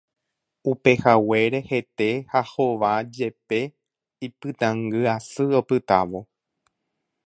Upehaguére hete ha hóva jepe ipytãngy asy opytávo.